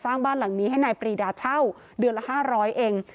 สร้างบ้านหลังนี้ให้นายปรีดาเช่าเดือนละ๕๐๐เอง